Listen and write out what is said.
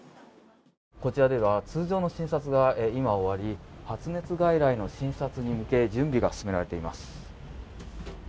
こちらでは通常の診察が今終わり、発熱外来の診察に向け準備が進められています。